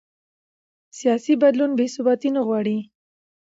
سیاسي بدلون بې ثباتي نه غواړي